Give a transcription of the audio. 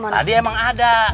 tadi emang ada